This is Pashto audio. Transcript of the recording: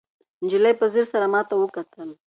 نجلۍ په ځیر سره ماته وکتل.